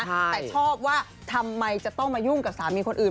แต่ชอบว่าทำไมจะต้องมายุ่งกับสามีคนอื่น